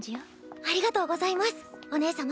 ありがとうございますお姉様。